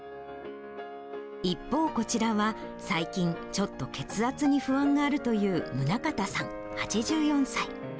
一方、こちらは最近、ちょっと血圧に不安があるという宗形さん８４歳。